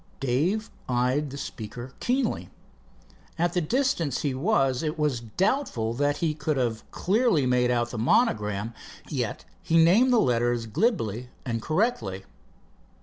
Dave eyed the speaker keenly. At the distance he was, it was doubtful that he could have dearly made out the monogram, yet he named the letters glibly and correctly.